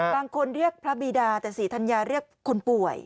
บางคนเรียกพระบีดาแต่ศรีธัญญาเรียกคนป่วย